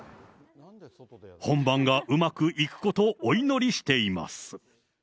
本番がうまくいくこと、お祈りしています。